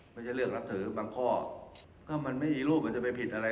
มันจะเลือกนับถือบางข้อก็มันไม่มีรูปเหมือนจะไปผิดอะไร